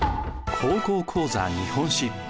「高校講座日本史」。